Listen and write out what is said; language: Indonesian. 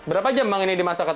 berapa jam bang ini dimasak tadi